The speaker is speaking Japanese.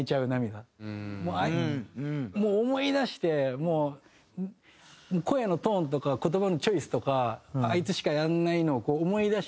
もう思い出して声のトーンとか言葉のチョイスとかあいつしかやらないのを思い出して。